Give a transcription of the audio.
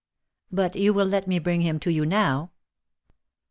But you will let me bring him to you now